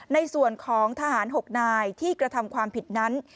ในส่วนของทหาร๖นายที่กระทำความผิดนั้น